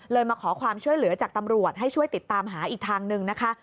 มาขอความช่วยเหลือจากตำรวจให้ช่วยติดตามหาอีกทางหนึ่งนะคะ